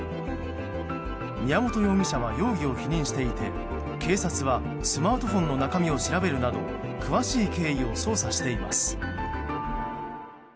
宮本容疑者は容疑を否認してしていて警察はスマートフォンの中身を調べるなど詳しい経緯を捜査しています。